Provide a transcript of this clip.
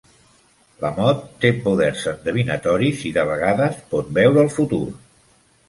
La Mud té poders endevinatoris i de vegades pot veure el futur.